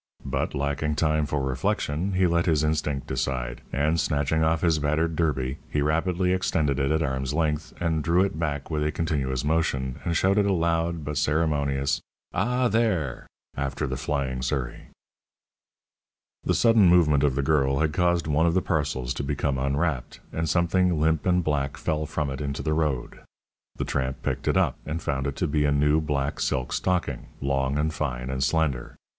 But lacking time for reflection, he let his instinct decide, and snatching off his battered derby, he rapidly extended it at arm's length, and drew it back with a continuous motion, and shouted a loud, but ceremonious, "Ah, there!" after the flying surrey. The sudden movement of the girl had caused one of the parcels to become unwrapped, and something limp and black fell from it into the road. The tramp picked it up, and found it to be a new black silk stocking, long and fine and slender.